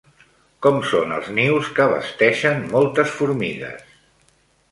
Com són els nius que basteixen moltes formigues?